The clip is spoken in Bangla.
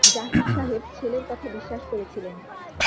জাহিদ সাহেব ছেলের কথা বিশ্বাস করেছিলেন।